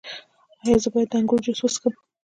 ایا زه باید د انګور جوس وڅښم؟